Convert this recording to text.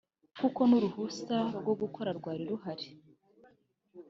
kuko n’uruhusa rwo gukora rwari ruhari